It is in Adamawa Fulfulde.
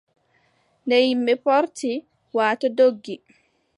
Nde yimɓe poorti, waatoo doggi,